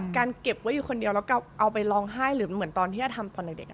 การเก็บไว้อยู่คนเดียวก็ลองไห้เหมือนที่แอร์ทำตอนเด็ก